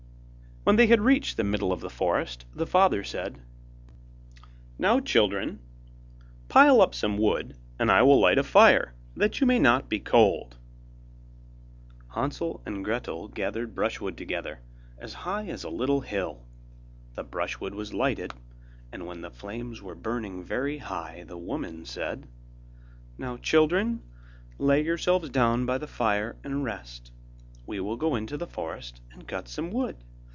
When they had reached the middle of the forest, the father said: 'Now, children, pile up some wood, and I will light a fire that you may not be cold.' Hansel and Gretel gathered brushwood together, as high as a little hill. The brushwood was lighted, and when the flames were burning very high, the woman said: 'Now, children, lay yourselves down by the fire and rest, we will go into the forest and cut some wood.